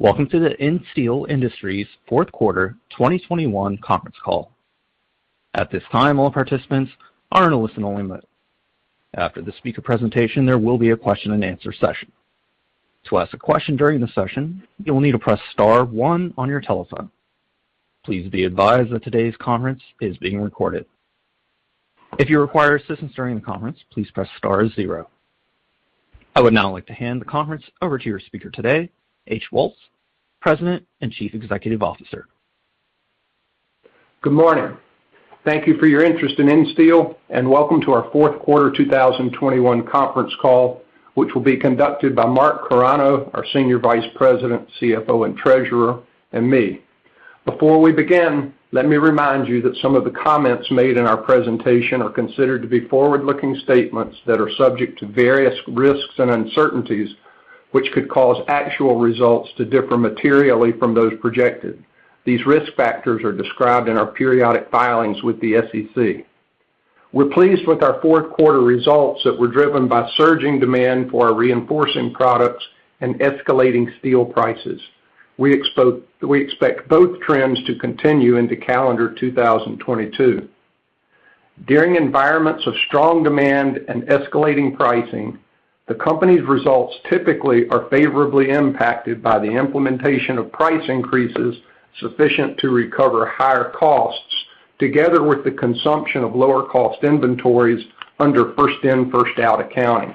Welcome to the Insteel Industries fourth quarter 2021 conference call. At this time, all participants are in a listen only mode. After the speaker presentation, there will be a question and answer session. To ask a question during the session, you will need to press star one on your telephone. Please be advised that today's conference is being recorded. If you require assistance during the conference, please press star zero. I would now like to hand the conference over to your speaker today, H. Woltz, President and Chief Executive Officer. Good morning. Thank you for your interest in Insteel, and welcome to our fourth quarter 2021 conference call, which will be conducted by Mark Carano, our Senior Vice President, CFO, and Treasurer, and me. Before we begin, let me remind you that some of the comments made in our presentation are considered to be forward-looking statements that are subject to various risks and uncertainties, which could cause actual results to differ materially from those projected. These risk factors are described in our periodic filings with the SEC. We're pleased with our fourth quarter results that were driven by surging demand for our reinforcing products and escalating steel prices. We expect both trends to continue into calendar 2022. During environments of strong demand and escalating pricing, the company's results typically are favorably impacted by the implementation of price increases sufficient to recover higher costs, together with the consumption of lower cost inventories under first in, first out accounting.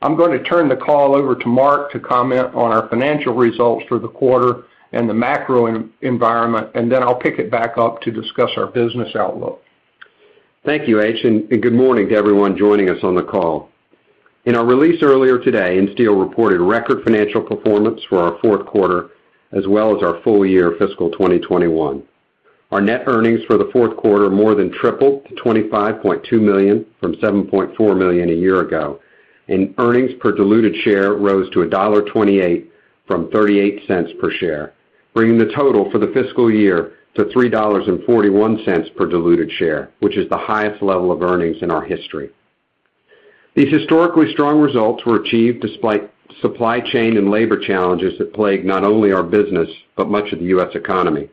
I'm going to turn the call over to Mark to comment on our financial results for the quarter and the macro environment, and then I'll pick it back up to discuss our business outlook. Thank you, H., and good morning to everyone joining us on the call. In our release earlier today, Insteel reported record financial performance for our fourth quarter as well as our full year fiscal 2021. Our net earnings for the fourth quarter more than tripled to $25.2 million from $7.4 million a year ago, and earnings per diluted share rose to $1.28 from $0.38 per share, bringing the total for the fiscal year to $3.41 per diluted share, which is the highest level of earnings in our history. These historically strong results were achieved despite supply chain and labor challenges that plague not only our business, but much of the U.S. economy.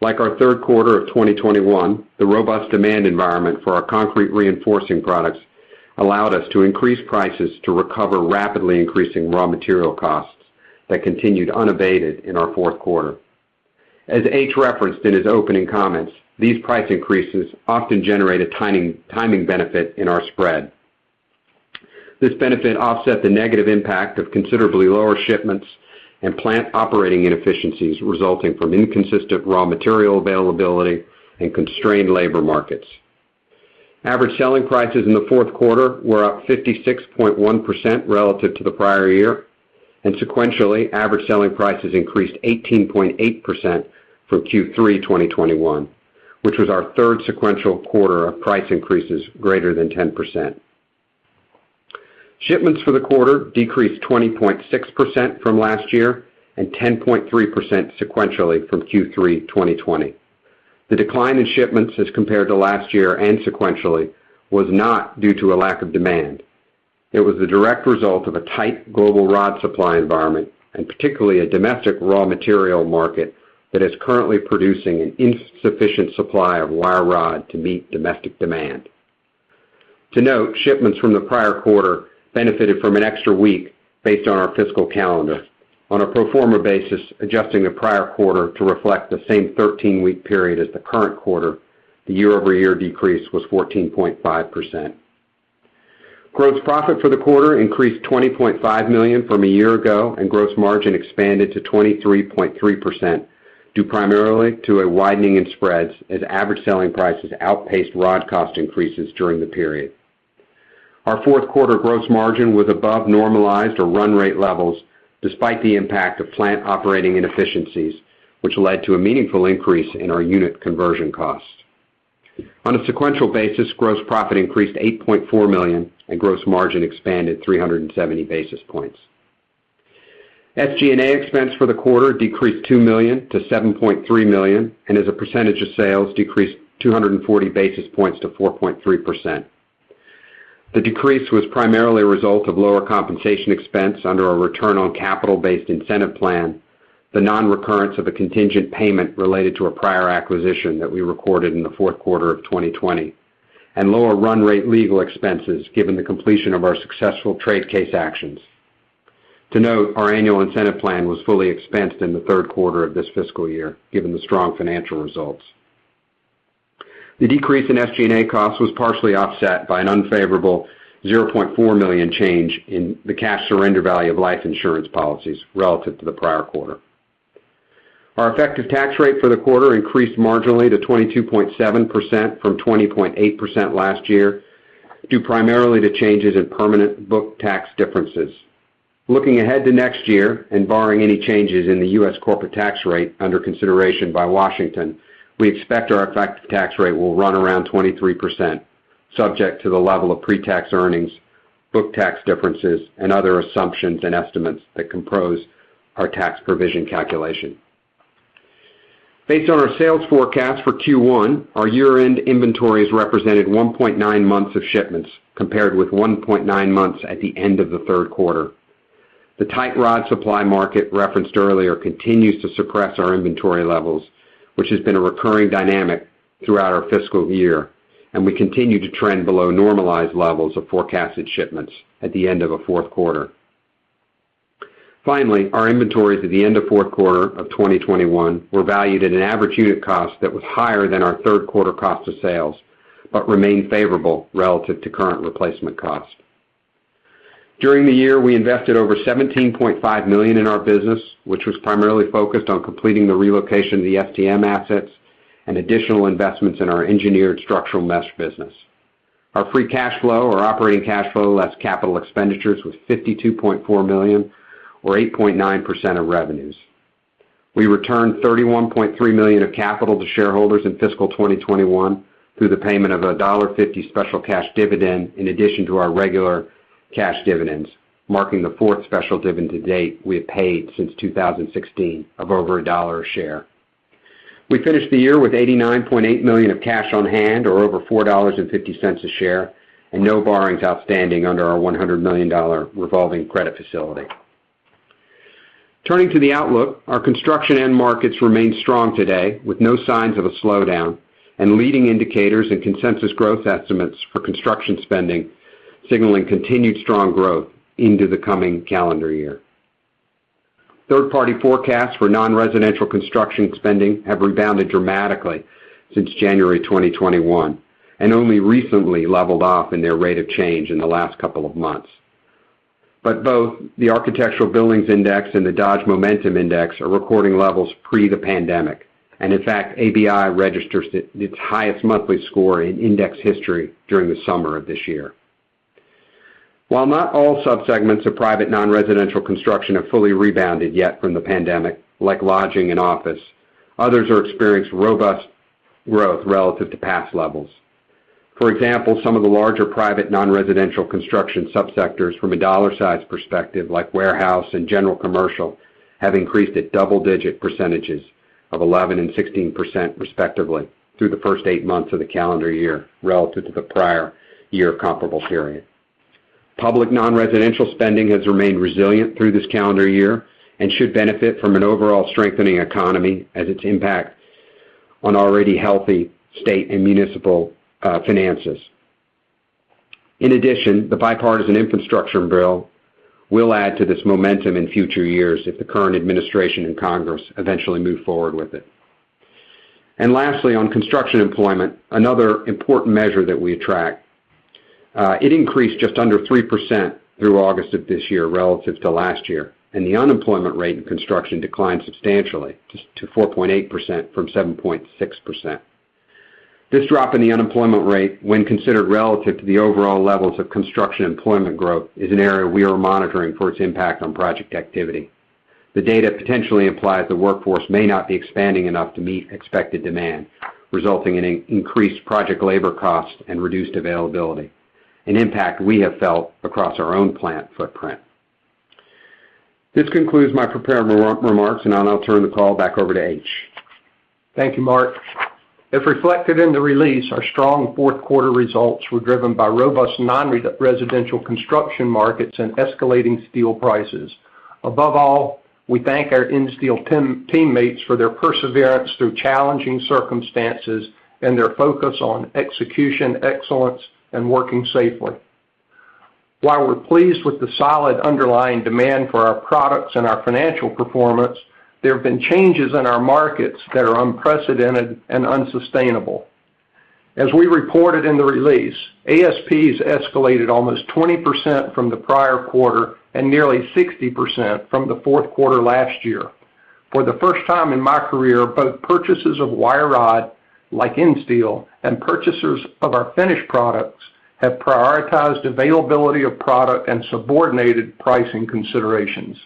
Like our third quarter of 2021, the robust demand environment for our concrete reinforcing products allowed us to increase prices to recover rapidly increasing raw material costs that continued unabated in our fourth quarter. As H. referenced in his opening comments, these price increases often generate a timing benefit in our spread. This benefit offset the negative impact of considerably lower shipments and plant operating inefficiencies resulting from inconsistent raw material availability and constrained labor markets. Average selling prices in the fourth quarter were up 56.1% relative to the prior year, and sequentially, average selling prices increased 18.8% from Q3 2021, which was our third sequential quarter of price increases greater than 10%. Shipments for the quarter decreased 20.6% from last year and 10.3% sequentially from Q3 2021. The decline in shipments as compared to last year and sequentially was not due to a lack of demand. It was the direct result of a tight global rod supply environment, and particularly a domestic raw material market that is currently producing an insufficient supply of wire rod to meet domestic demand. To note, shipments from the prior quarter benefited from an extra week based on our fiscal calendar. On a pro forma basis, adjusting the prior quarter to reflect the same 13-week period as the current quarter, the year-over-year decrease was 14.5%. Gross profit for the quarter increased $20.5 million from a year ago, and gross margin expanded to 23.3%, due primarily to a widening in spreads as average selling prices outpaced rod cost increases during the period. Our fourth quarter gross margin was above normalized or run rate levels, despite the impact of plant operating inefficiencies, which led to a meaningful increase in our unit conversion costs. On a sequential basis, gross profit increased $8.4 million, and gross margin expanded 370 basis points. SG&A expense for the quarter decreased $2 million to $7.3 million and as a percentage of sales decreased 240 basis points to 4.3%. The decrease was primarily a result of lower compensation expense under a return on capital-based incentive plan, the non-recurrence of a contingent payment related to a prior acquisition that we recorded in the fourth quarter of 2020, and lower run rate legal expenses given the completion of our successful trade case actions. To note, our annual incentive plan was fully expensed in the third quarter of this fiscal year, given the strong financial results. The decrease in SG&A costs was partially offset by an unfavorable $0.4 million change in the cash surrender value of life insurance policies relative to the prior quarter. Our effective tax rate for the quarter increased marginally to 22.7% from 20.8% last year, due primarily to changes in permanent book tax differences. Looking ahead to next year and barring any changes in the U.S. corporate tax rate under consideration by Washington, we expect our effective tax rate will run around 23%, subject to the level of pre-tax earnings, book tax differences, and other assumptions and estimates that compose our tax provision calculation. Based on our sales forecast for Q1, our year-end inventories represented 1.9 months of shipments, compared with 1.9 months at the end of the third quarter. The tight rod supply market referenced earlier continues to suppress our inventory levels, which has been a recurring dynamic throughout our fiscal year, and we continue to trend below normalized levels of forecasted shipments at the end of a fourth quarter. Finally, our inventories at the end of fourth quarter of 2021 were valued at an average unit cost that was higher than our third quarter cost of sales, but remain favorable relative to current replacement costs. During the year, we invested over $17.5 million in our business, which was primarily focused on completing the relocation of the ESM assets and additional investments in our engineered structural mesh business. Our free cash flow or operating cash flow less capital expenditures was $52.4 million or 8.9% of revenues. We returned $31.3 million of capital to shareholders in fiscal 2021 through the payment of a $1.50 special cash dividend in addition to our regular cash dividends, marking the fourth special dividend to date we have paid since 2016 of over $1 a share. We finished the year with $89.8 million of cash on hand, or over $4.50 a share, and no borrowings outstanding under our $100 million revolving credit facility. Turning to the outlook, our construction end markets remain strong today, with no signs of a slowdown, and leading indicators and consensus growth estimates for construction spending signaling continued strong growth into the coming calendar year. Third-party forecasts for non-residential construction spending have rebounded dramatically since January 2021 and only recently leveled off in their rate of change in the last couple of months. Both the Architecture Billings Index and the Dodge Momentum Index are recording levels pre the pandemic, and in fact, ABI registered its highest monthly score in index history during the summer of this year. While not all subsegments of private non-residential construction have fully rebounded yet from the pandemic, like lodging and office, others are experienced robust growth relative to past levels. For example, some of the larger private non-residential construction subsectors from a dollar size perspective, like warehouse and general commercial, have increased at double-digit percentages of 11% and 16% respectively through the first eight months of the calendar year relative to the prior year comparable period. Public non-residential spending has remained resilient through this calendar year and should benefit from an overall strengthening economy as its impact on already healthy state and municipal finances. In addition, the Bipartisan Infrastructure Bill will add to this momentum in future years if the Biden administration and Congress eventually move forward with it. Lastly, on construction employment, another important measure that we track. It increased just under 3% through August of this year relative to last year. The unemployment rate in construction declined substantially to 4.8% from 7.6%. This drop in the unemployment rate, when considered relative to the overall levels of construction employment growth, is an area we are monitoring for its impact on project activity. The data potentially implies the workforce may not be expanding enough to meet expected demand, resulting in increased project labor costs and reduced availability, an impact we have felt across our own plant footprint. This concludes my prepared remarks. I'll now turn the call back over to H. Thank you, Mark. As reflected in the release, our strong fourth quarter results were driven by robust non-residential construction markets and escalating steel prices. Above all, we thank our Insteel teammates for their perseverance through challenging circumstances and their focus on execution excellence and working safely. While we're pleased with the solid underlying demand for our products and our financial performance, there have been changes in our markets that are unprecedented and unsustainable. As we reported in the release, ASPs escalated almost 20% from the prior quarter and nearly 60% from the fourth quarter last year. For the first time in my career, both purchasers of wire rod, like Insteel, and purchasers of our finished products have prioritized availability of product and subordinated pricing considerations.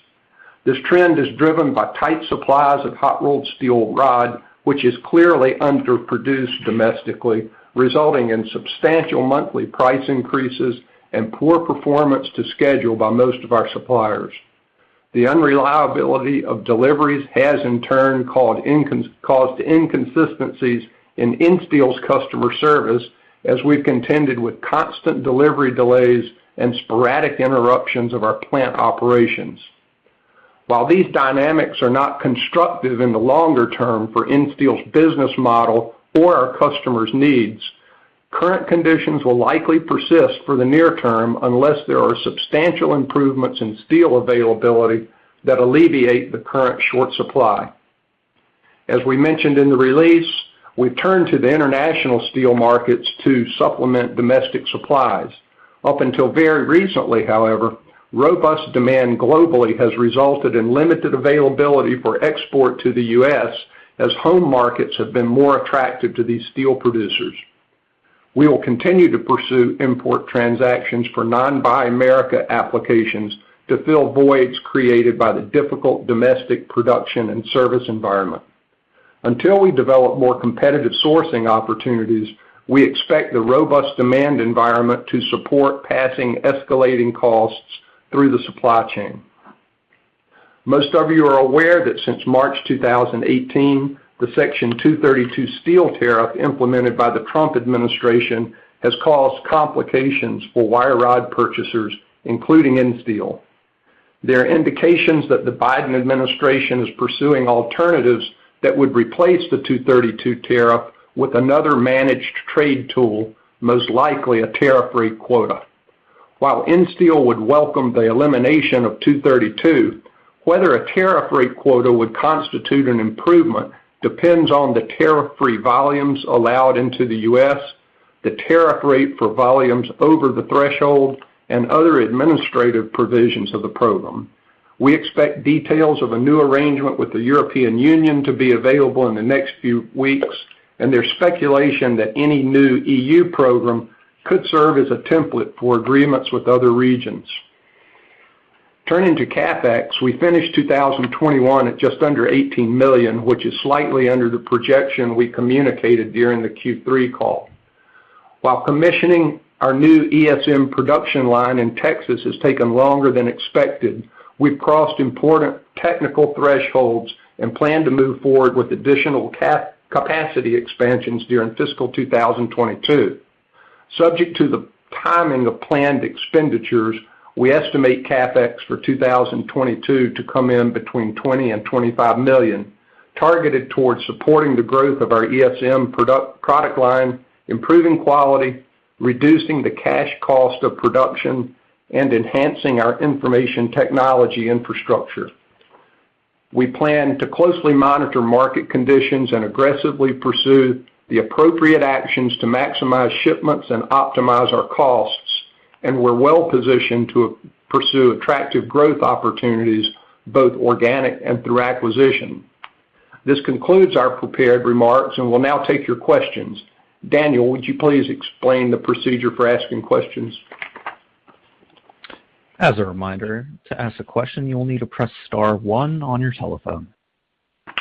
This trend is driven by tight supplies of hot-rolled steel rod, which is clearly underproduced domestically, resulting in substantial monthly price increases and poor performance to schedule by most of our suppliers. The unreliability of deliveries has in turn caused inconsistencies in Insteel's customer service as we've contended with constant delivery delays and sporadic interruptions of our plant operations. While these dynamics are not constructive in the longer term for Insteel's business model or our customers' needs, current conditions will likely persist for the near term unless there are substantial improvements in steel availability that alleviate the current short supply. As we mentioned in the release, we turn to the international steel markets to supplement domestic supplies. Up until very recently, however, robust demand globally has resulted in limited availability for export to the U.S. as home markets have been more attractive to these steel producers. We will continue to pursue import transactions for non-Buy America applications to fill voids created by the difficult domestic production and service environment. Until we develop more competitive sourcing opportunities, we expect the robust demand environment to support passing escalating costs through the supply chain. Most of you are aware that since March 2018, the Section 232 steel tariff implemented by the Trump administration has caused complications for wire rod purchasers, including Insteel. There are indications that the Biden administration is pursuing alternatives that would replace the 232 tariff with another managed trade tool, most likely a tariff-free quota. While Insteel would welcome the elimination of 232, whether a tariff-free quota would constitute an improvement depends on the tariff-free volumes allowed into the U.S., the tariff rate for volumes over the threshold, and other administrative provisions of the program. We expect details of a new arrangement with the European Union to be available in the next few weeks, and there's speculation that any new EU program could serve as a template for agreements with other regions. Turning to CapEx, we finished 2021 at just under $18 million, which is slightly under the projection we communicated during the Q3 call. While commissioning our new ESM production line in Texas has taken longer than expected, we've crossed important technical thresholds and plan to move forward with additional capacity expansions during fiscal 2022. Subject to the timing of planned expenditures, we estimate CapEx for 2022 to come in between $20 million and $25 million, targeted towards supporting the growth of our ESM product line, improving quality, reducing the cash cost of production, and enhancing our information technology infrastructure. We plan to closely monitor market conditions and aggressively pursue the appropriate actions to maximize shipments and optimize our costs, and we're well positioned to pursue attractive growth opportunities, both organic and through acquisition. This concludes our prepared remarks, and we'll now take your questions. Daniel, would you please explain the procedure for asking questions? As a reminder, to ask a question you will need to press star one on your telephone.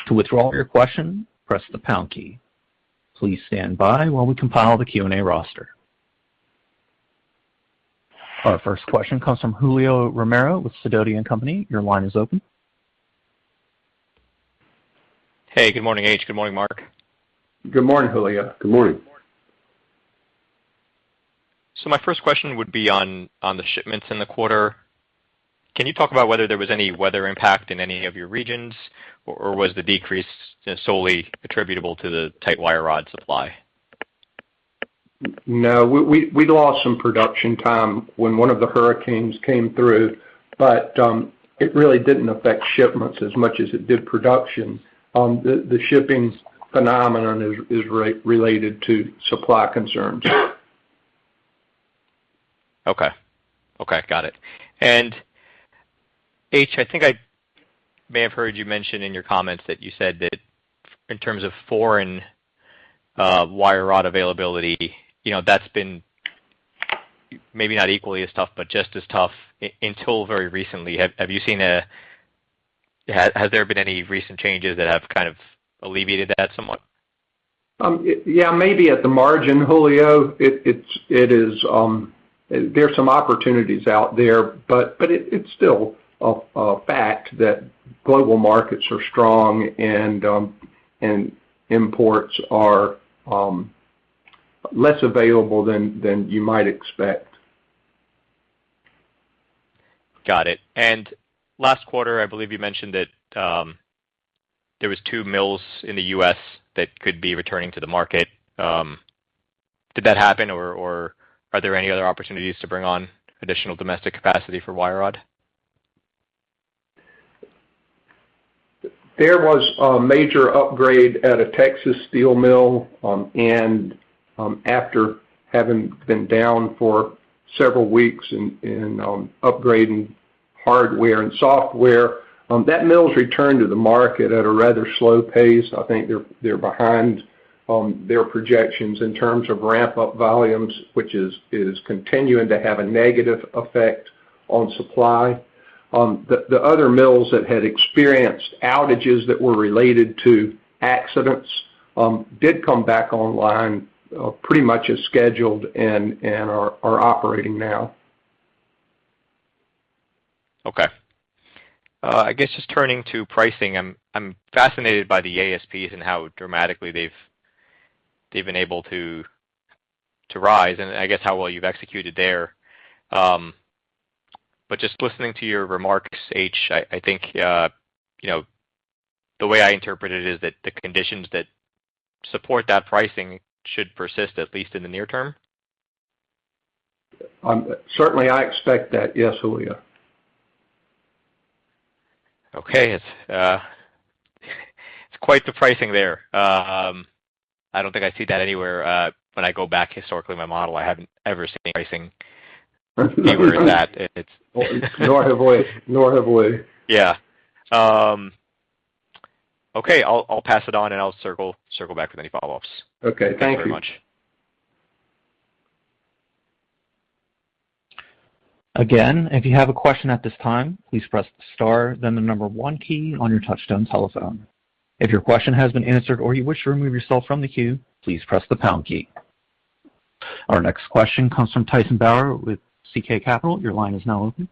To withdraw your question, press the pound key. Please stand by while we compile the Q&A roster. Our first question comes from Julio Romero with Sidoti & Company. Your line is open. Hey, good morning, H. Good morning, Mark. Good morning, Julio. Good morning. My first question would be on the shipments in the quarter. Can you talk about whether there was any weather impact in any of your regions, or was the decrease solely attributable to the tight wire rod supply? No, we lost some production time when one of the hurricanes came through, but it really didn't affect shipments as much as it did production. The shipping phenomenon is related to supply concerns. Okay. Got it. H., I think I may have heard you mention in your comments that you said that in terms of foreign wire rod availability, that's been maybe not equally as tough, but just as tough until very recently. Has there been any recent changes that have kind of alleviated that somewhat? Yeah, maybe at the margin, Julio. There's some opportunities out there, but it's still a fact that global markets are strong and imports are less available than you might expect. Got it. Last quarter, I believe you mentioned that there was two mills in the U.S. that could be returning to the market. Did that happen, or are there any other opportunities to bring on additional domestic capacity for wire rod? There was a major upgrade at a Texas steel mill, and after having been down for several weeks and upgrading hardware and software, that mill's returned to the market at a rather slow pace. I think they're behind on their projections in terms of ramp-up volumes, which is continuing to have a negative effect on supply. The other mills that had experienced outages that were related to accidents did come back online pretty much as scheduled and are operating now. Okay. I guess just turning to pricing, I'm fascinated by the ASPs and how dramatically they've been able to rise, and I guess how well you've executed there. Just listening to your remarks, H., I think the way I interpret it is that the conditions that support that pricing should persist, at least in the near term? Certainly, I expect that. Yes, Julio. Okay. It's quite the pricing there. I don't think I see that anywhere. When I go back historically in my model, I haven't ever seen pricing near that. Nor have we. Yeah. Okay. I'll pass it on, and I'll circle back with any follow-ups. Okay. Thank you. Thank you very much. Again, if you have a question at this time, please press star, then the number one key on your touchtone telephone. If your question has been answered or you wish to remove yourself from the queue, please press the pound key. Our next question comes from Tyson Bauer with KC Capital. Your line is now open.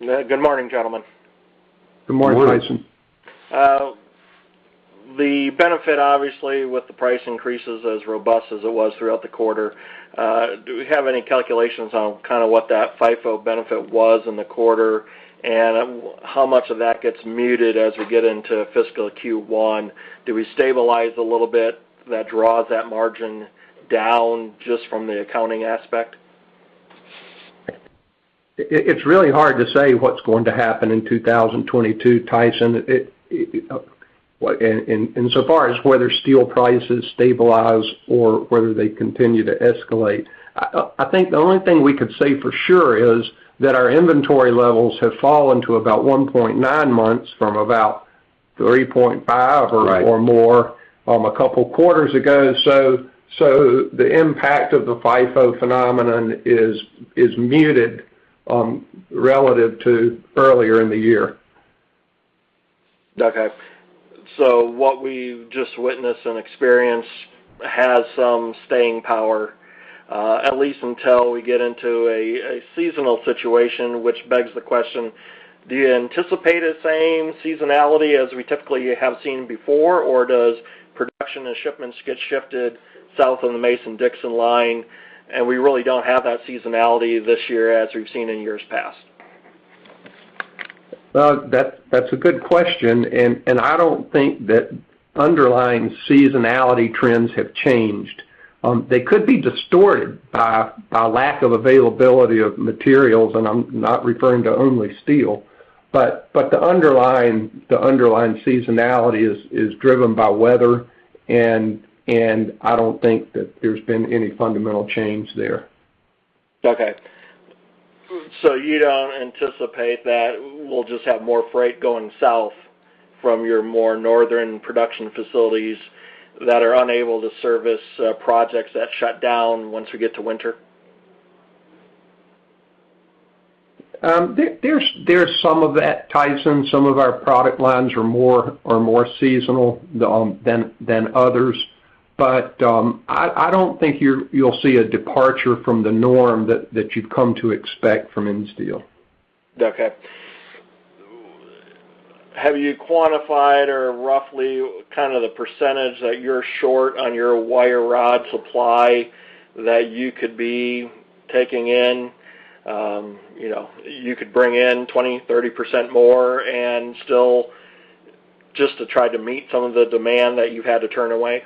Good morning, gentlemen. Good morning. Good morning, Tyson. The benefit, obviously, with the price increases as robust as it was throughout the quarter, do we have any calculations on kind of what that FIFO benefit was in the quarter, and how much of that gets muted as we get into fiscal Q1? Do we stabilize a little bit that draws that margin down just from the accounting aspect? It's really hard to say what's going to happen in 2022, Tyson, insofar as whether steel prices stabilize or whether they continue to escalate. I think the only thing we could say for sure is that our inventory levels have fallen to about 1.9 months from about 3.5. Right. or more a couple of quarters ago. The impact of the FIFO phenomenon is muted, relative to earlier in the year. Okay. What we've just witnessed and experienced has some staying power, at least until we get into a seasonal situation, which begs the question: do you anticipate the same seasonality as we typically have seen before, or does production and shipments get shifted south of the Mason-Dixon line, and we really don't have that seasonality this year as we've seen in years past? Well, that's a good question. I don't think that underlying seasonality trends have changed. They could be distorted by lack of availability of materials. I'm not referring to only steel. The underlying seasonality is driven by weather. I don't think that there's been any fundamental change there. Okay. You don't anticipate that we'll just have more freight going south from your more northern production facilities that are unable to service projects that shut down once we get to winter? There's some of that, Tyson. Some of our product lines are more seasonal than others. I don't think you'll see a departure from the norm that you've come to expect from Insteel. Okay. Have you quantified or roughly kind of the percentage that you're short on your wire rod supply that you could be taking in? You could bring in 20%, 30% more and still just to try to meet some of the demand that you've had to turn away.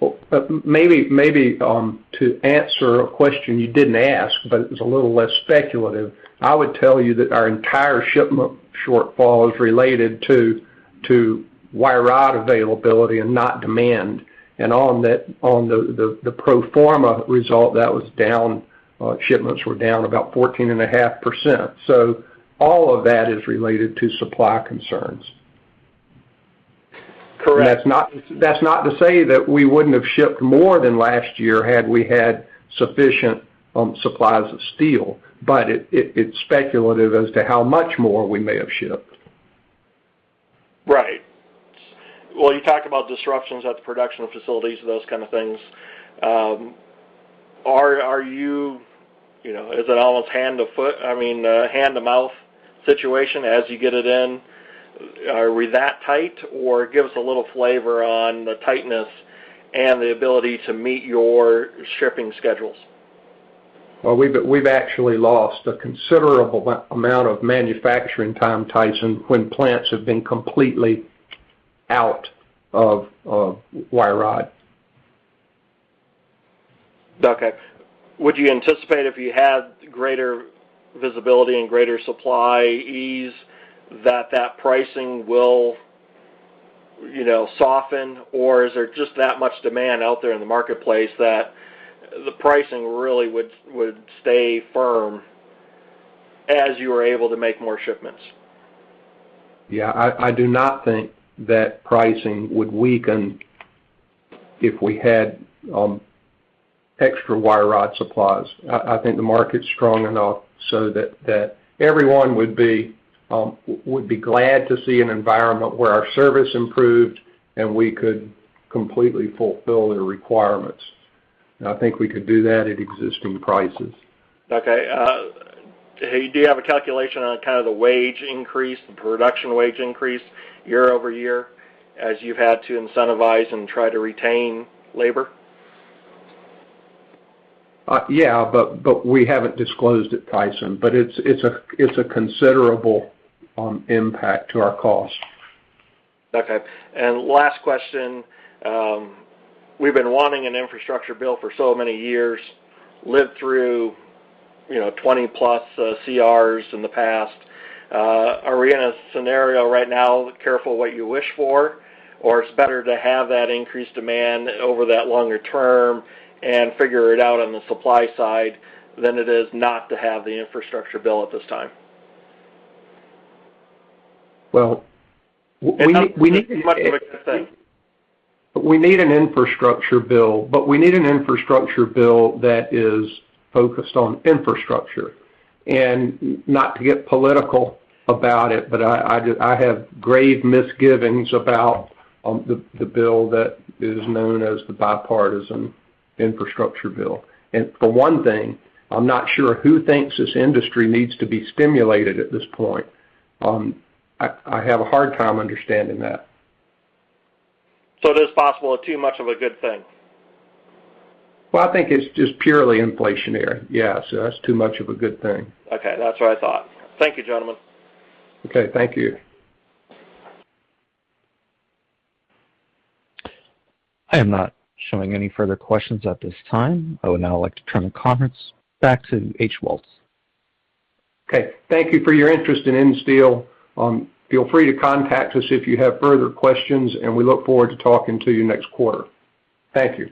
Well, maybe to answer a question you didn't ask, but it's a little less speculative. I would tell you that our entire shipment shortfall is related to wire rod availability and not demand. On the pro forma result, shipments were down about 14.5%. All of that is related to supply concerns. Correct. That's not to say that we wouldn't have shipped more than last year had we had sufficient supplies of steel. It's speculative as to how much more we may have shipped. Right. Well, you talk about disruptions at the production facilities and those kind of things. Is it almost hand to mouth situation as you get it in? Are we that tight? Or give us a little flavor on the tightness and the ability to meet your shipping schedules. Well, we've actually lost a considerable amount of manufacturing time, Tyson, when plants have been completely out of wire rod. Okay. Would you anticipate if you had greater visibility and greater supply ease that that pricing will soften, or is there just that much demand out there in the marketplace that the pricing really would stay firm as you are able to make more shipments? Yeah, I do not think that pricing would weaken if we had extra wire rod supplies. I think the market's strong enough so that everyone would be glad to see an environment where our service improved, and we could completely fulfill their requirements. I think we could do that at existing prices. Okay. Do you have a calculation on kind of the wage increase, the production wage increase year-over-year as you've had to incentivize and try to retain labor? Yeah, but we haven't disclosed it, Tyson. It's a considerable impact to our cost. Okay. Last question. We've been wanting an infrastructure bill for so many years, lived through 20-plus CRs in the past. Are we in a scenario right now, careful what you wish for? It's better to have that increased demand over that longer term and figure it out on the supply side than it is not to have the infrastructure bill at this time? Well. Too much of a good thing. We need an infrastructure bill, but we need an infrastructure bill that is focused on infrastructure. Not to get political about it, but I have grave misgivings about the bill that is known as the Bipartisan Infrastructure Bill. For one thing, I'm not sure who thinks this industry needs to be stimulated at this point. I have a hard time understanding that. Is it possible too much of a good thing? Well, I think it's just purely inflationary. Yeah. That's too much of a good thing. Okay. That's what I thought. Thank you, gentlemen. Okay. Thank you. I am not showing any further questions at this time. I would now like to turn the conference back to H. Woltz. Okay. Thank you for your interest in Insteel. Feel free to contact us if you have further questions, and we look forward to talking to you next quarter. Thank you.